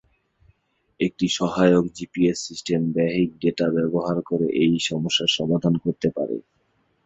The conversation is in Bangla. একটি সহায়ক জিপিএস সিস্টেম বাহ্যিক ডেটা ব্যবহার করে এই সমস্যা সমাধান করতে পারে।